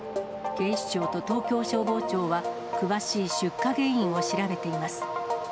警視庁と東京消防庁は、詳しい出火原因を調べています。